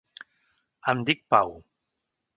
Em dic Pau.